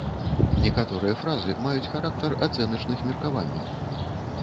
Некаторыя фразы маюць характар ацэначных меркаванняў.